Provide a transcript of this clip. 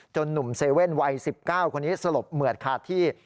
หนุ่มเซเว่นวัย๑๙คนนี้สลบเหมือดขาดที่